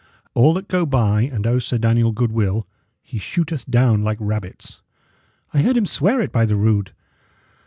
All that go by and owe Sir Daniel goodwill, he shooteth down like rabbits. I heard him swear it by the rood.